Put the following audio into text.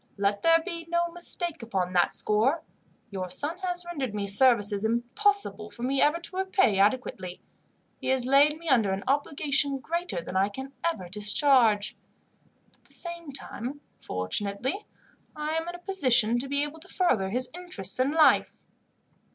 "Let there be no mistake upon that score. Your son has rendered me services impossible for me ever to repay adequately. He has laid me under an obligation greater than I can ever discharge. At the same time, fortunately, I am in a position to be able to further his interests in life.